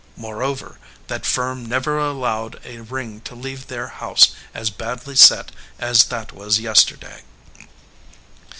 Moreover, that firm never allowed a ring to leave their house as badly set as that was yesterday."